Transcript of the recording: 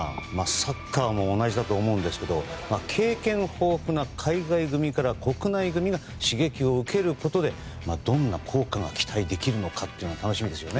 サッカーも同じだと思いますが経験豊富な海外組から国内組が刺激を受けることでどんな効果が期待できるのか楽しみですね。